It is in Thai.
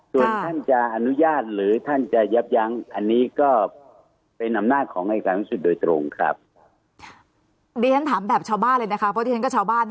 ส่วนท่านจะอนุญาตหรือท่านจะยับยั้งอันนี้ก็เป็นอำนาจของอายการสูงสุดโดยตรงครับ